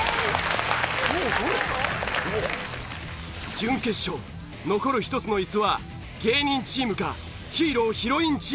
準決勝残る１つのイスは芸人チームかヒーローヒロインチームか？